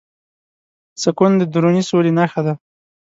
سکون د دروني سولې نښه ده.